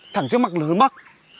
thẳng trước mặt là hướng bắc